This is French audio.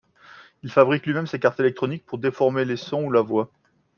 Il fabrique lui-même ses cartes électroniques pour déformer les sons ou la voix.